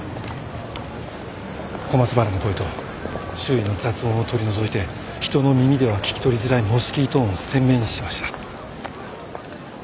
小松原の声と周囲の雑音を取り除いて人の耳では聞き取りづらいモスキート音を鮮明にしました。